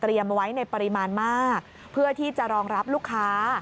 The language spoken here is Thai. ไว้ในปริมาณมากเพื่อที่จะรองรับลูกค้า